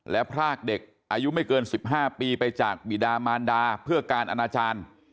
และพรากเด็กอายุไม่เกิน๑๕ปีไปจากบิดามานดาเพื่อการอนาจารย์